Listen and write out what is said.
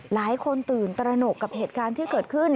หลายคนตื่นตระหนกกับเหตุการณ์ที่เกิดขึ้น